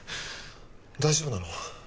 大丈夫なの？